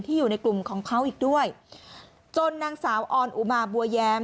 อยู่ในกลุ่มของเขาอีกด้วยจนนางสาวออนอุมาบัวแย้ม